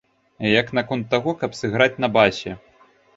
Як наконт таго, каб сыграць на басе?